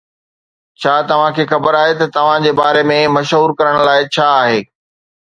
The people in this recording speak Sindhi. ڇا توهان کي خبر آهي ته توهان جي باري ۾ مشهور ڪرڻ لاء ڇا آهي؟